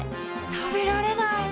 食べられない。